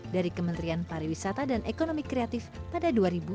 dari kementerian pariwisata dan ekonomi kreatif pada dua ribu dua puluh